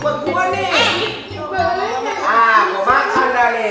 ondan apa kamu kurang makistani